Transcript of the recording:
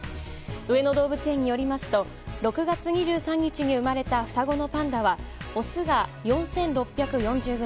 上野動物園によりますと６月２３日に生まれた双子のパンダはオスが４６４０ｇ